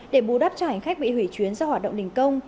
để bù đắp cho hành khách bị hủy chuyến do hoạt động đình công